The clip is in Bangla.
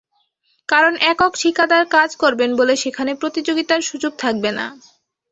কারণ, একক ঠিকাদার কাজ করবেন বলে সেখানে প্রতিযোগিতার সুযোগ থাকবে না।